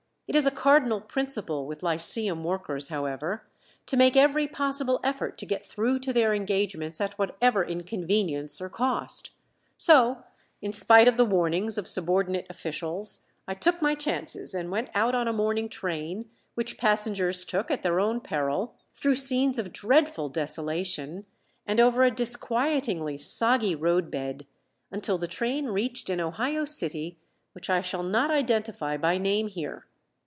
It is a cardinal principle with lyceum workers, however, to make every possible effort to get through to their engagements at whatever inconvenience or cost. So in spite of the warnings of subordinate officials I took my chances and went out on a morning train which passengers took at their own peril, through scenes of dreadful desolation, and over a disquietingly soggy roadbed, until the train reached an Ohio city which I shall not identify by name here.